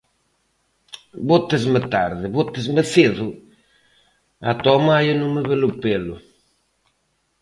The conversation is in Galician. Bótesme tarde, bótesme cedo, ata o maio non me ves o pelo.